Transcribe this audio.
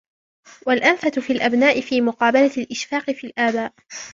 وَالْأَنَفَةُ فِي الْأَبْنَاءِ فِي مُقَابَلَةِ الْإِشْفَاقِ فِي الْآبَاءِ